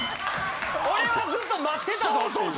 俺はずっと待ってたぞっていう。